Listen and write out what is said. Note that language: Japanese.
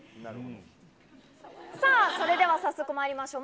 さあ、それでは早速まいりましょう。